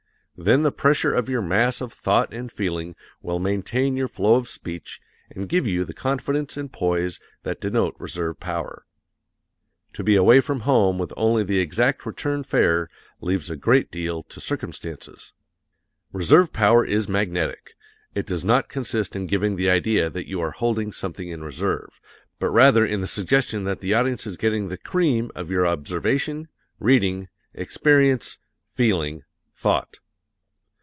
Then the pressure of your mass of thought and feeling will maintain your flow of speech and give you the confidence and poise that denote reserve power. To be away from home with only the exact return fare leaves a great deal to circumstances! Reserve power is magnetic. It does not consist in giving the idea that you are holding something in reserve, but rather in the suggestion that the audience is getting the cream of your observation, reading, experience, feeling, thought.